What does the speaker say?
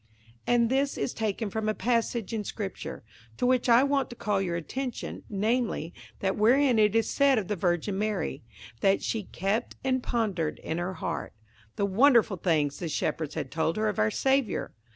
And this is taken from a passage in Scripture, to which I want to call your attention–namely, that wherein it is said of the Virgin Mary, that she "kept and pondered in her heart" the wonderful things the shepherds had told her of our Saviour.